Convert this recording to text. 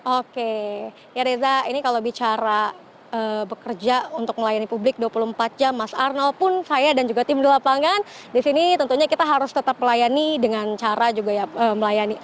oke ya reza ini kalau bicara bekerja untuk melayani publik dua puluh empat jam mas arnold pun saya dan juga tim di lapangan disini tentunya kita harus tetap melayani dengan cara juga ya melayani